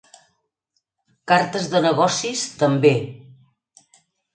Cartes de negocis, també!